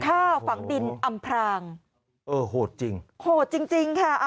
ฆ่าฝังดินอำพรางเออโหดจริงโหดจริงจริงค่ะ